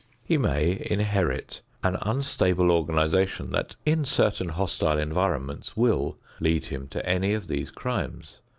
He may inherit an unstable organization that in certain hostile environments will lead him to any of these crimes.